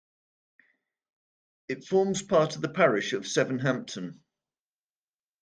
It forms part of the parish of Sevenhampton.